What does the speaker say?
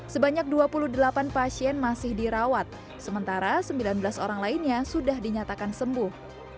sebanyak dua puluh delapan pasien masih dirawat sementara sembilan belas orang lainnya sudah dinyatakan sembuh